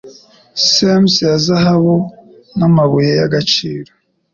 Semes ya zahabu namabuye y'agaciro